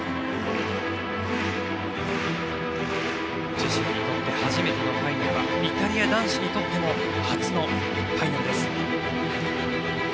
自身初めてのファイナルはイタリア男子にとっても初のファイナルです。